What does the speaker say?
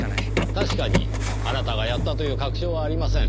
確かにあなたがやったという確証はありません。